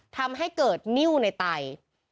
ทำให้เกิดนิ้วในไต